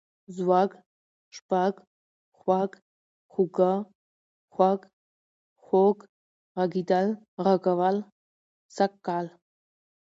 ځوږ، شپږ، خوَږ، خُوږه ، خوږ، خوږ ، غږېدل، غږول، سږ کال